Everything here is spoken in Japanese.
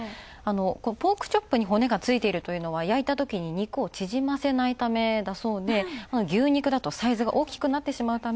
ポークチョップに骨が付いているというのは焼いたときに肉を縮ませないためだそうで牛肉だとサイズが大きくなってしまうため。